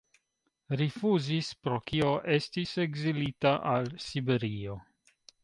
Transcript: Rifuzis, pro kio estis ekzilita al Siberio.